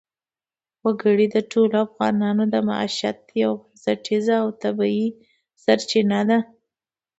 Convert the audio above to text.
وګړي د ټولو افغانانو د معیشت یوه بنسټیزه او طبیعي سرچینه ده.